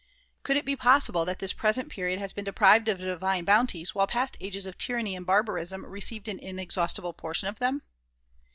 Could it be possible that this present period has been deprived of divine boun ties while past ages of tyranny and barbarism received an inex haustible portion of them